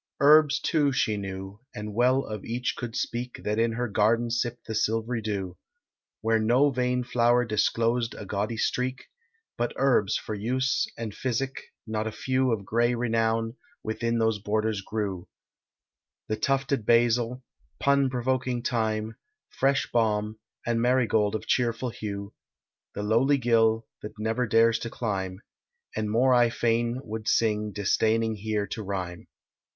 Herbs too she knew, and well of each could speak That in her garden sipp'd the silvery dew, Where no vain flower disclosed a gaudy streak, But herbs, for use and physic, not a few Of gray renown, within those borders grew, The tufted basil, pun provoking thyme, Fresh balm, and marigold of cheerful hue, The lowly gill, that never dares to climb, And more I fain would sing, disdaining here to rhyme.